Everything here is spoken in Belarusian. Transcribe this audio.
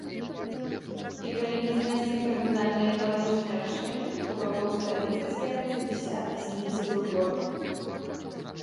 І калі не знайсці кардынальныя экалагічныя рашэнні, то вакол сталіцы з'явяцца дзясяткі смеццевых гор.